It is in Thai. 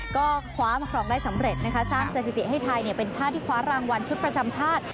ก็คว้ามาครองได้สำเร็จนะคะสร้างสถิติให้ไทยเป็นชาติที่คว้ารางวัลชุดประจำชาติ